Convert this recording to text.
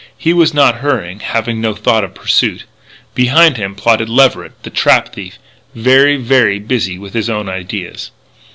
He was not hurrying, having no thought of pursuit. Behind him plodded Leverett, the trap thief, very, very busy with his own ideas.